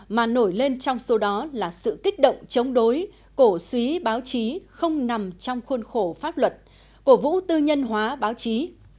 mà nổi lên trong số đó là sự kích động chống đối cổ suý báo chí không nằm trong khuôn khổ pháp luật cổ vũ tư nhân hóa báo chí